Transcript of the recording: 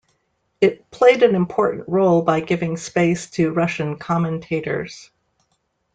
It "played an important role by giving space to Russian commentators".